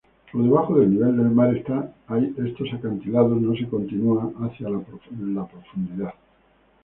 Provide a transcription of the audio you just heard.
Por debajo del nivel del mar estos acantilados no se continúan hacia la profundidad.